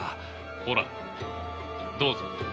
ほらどうぞ。